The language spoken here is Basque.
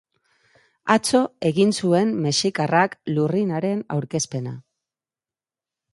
Atzo egin zuen mexikarrak lurrinaren aurkezpena.